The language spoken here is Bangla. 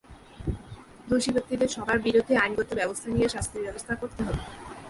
দোষী ব্যক্তিদের সবার বিরুদ্ধে আইনগত ব্যবস্থা নিয়ে শাস্তির ব্যবস্থা করতে হবে।